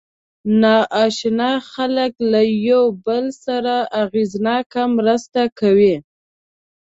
ناآشنا خلک له یو بل سره اغېزناکه مرسته کوي.